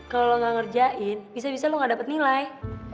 kalau gak ngerjain bisa bisa lo gak dapat nilai